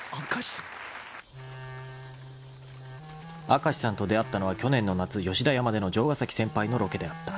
［明石さんと出会ったのは去年の夏吉田山での城ヶ崎先輩のロケであった］